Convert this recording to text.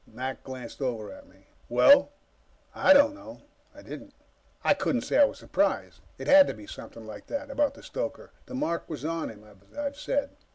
Mac glanced over at me. "Well?" "I don't know." I didn't. I couldn't say I was surprised. It had to be something like that, about the stoker. The mark was on him, as I've said.